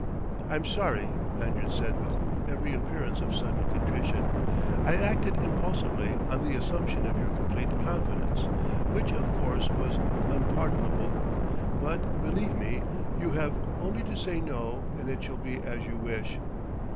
"I'm sorry," Lanyard said with every appearance of sudden contrition; "I acted impulsively on the assumption of your complete confidence. Which, of course, was unpardonable. But, believe me; you have only to say no and it shall be as you wish."